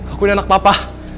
aku udah anak papa